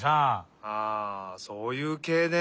ああそういうけいね。